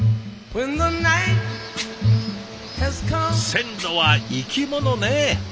「線路は生き物」ね。